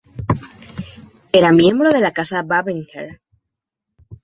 Era miembro de la Casa de Babenberg.